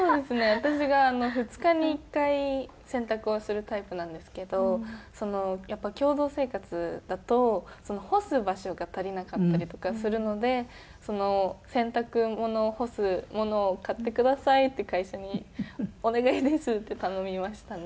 私が２日に１回洗濯をするタイプなんですけどやっぱ共同生活だと干す場所が足りなかったりとかするので「洗濯物を干すものを買ってください」って会社に「お願いです」って頼みましたね。